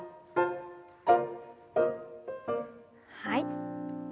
はい。